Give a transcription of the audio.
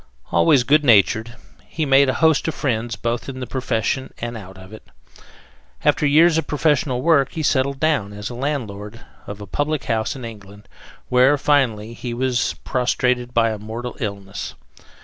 Always good natured, he made a host of friends both in the profession and out of it. After years of professional work he settled down as landlord of a public house in England, where, finally, he was prostrated by a mortal illness.